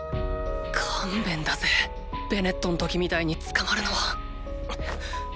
勘弁だぜベネットん時みたいに捕まるのは！